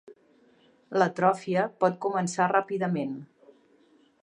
L'atròfia pot començar ràpidament.